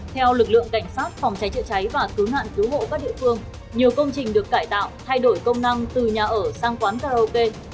theo lực lượng cảnh sát phòng cháy chữa cháy và cứu nạn cứu hộ các địa phương nhiều công trình được cải tạo thay đổi công năng từ nhà ở sang quán karaoke